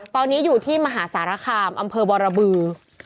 ตอนนี้อยู่ที่มหาสารคามอำเภอบรบือ